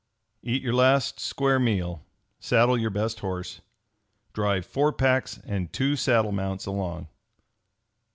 "Eat your last square meal. Saddle your best horse. Drive four packs and two saddle mounts along."